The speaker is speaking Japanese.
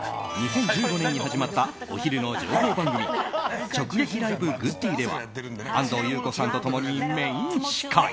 ２０１５年に始まったお昼の情報番組「直撃ＬＩＶＥグッディ！」では安藤優子さんと共にメイン司会。